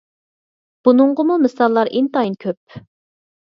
بۇنىڭغىمۇ مىساللار ئىنتايىن كۆپ.